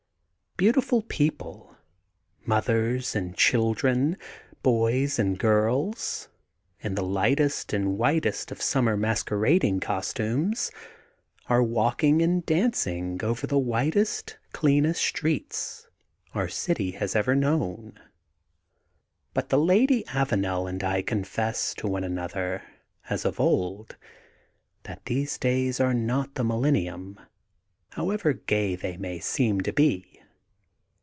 Beau* tiful people, mothers and children, boys and girls, in the lightest and whitest of summer masquerading costumes are walking and dancing over the whitest, cleanest streets our 814 THE GOLDEN BOOK OF SPRINGFIELD city has ever imown. But the Lady Avanel and I confess to one another, as of old, that these days are not the millenninm, however gay they seem to be.